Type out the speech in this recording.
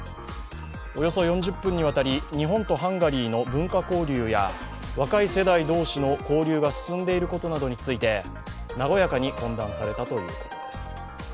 およそ４０分にわたり、日本とハンガリーの文化交流や若い世代同士の交流が進んでいることなどについて和やかに懇談されたということです。